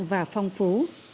và phong phú